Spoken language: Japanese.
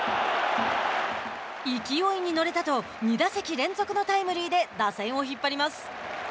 勢いに乗れたと２打席連続のタイムリーで打線を引っ張ります。